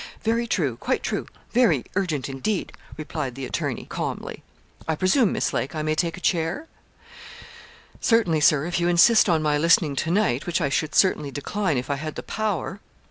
'Very true, quite true, very urgent indeed,' replied the attorney, calmly; 'I presume, Miss Lake, I may take a chair?' 'Certainly, Sir, if you insist on my listening to night, which I should certainly decline if I had the power.'